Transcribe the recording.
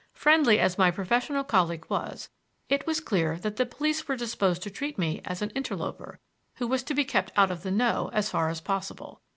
Friendly as my professional colleague was, it was clear that the police were disposed to treat me as an interloper who was to be kept out of the "know" as far as possible.